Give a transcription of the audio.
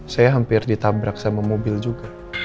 saya hampir ditabrak sama mobil juga